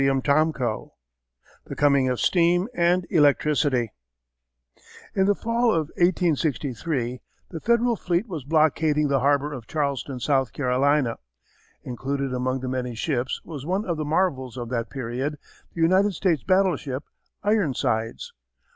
CHAPTER XII THE COMING OF STEAM AND ELECTRICITY In the fall of 1863, the Federal fleet was blockading the harbour of Charleston, S. C. Included among the many ships was one of the marvels of that period, the United States battleship Ironsides.